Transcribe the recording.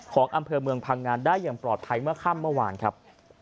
ของอำเภอเมืองพังงานได้อย่างปลอดภัยเมื่อค่ำเมื่อวานครับ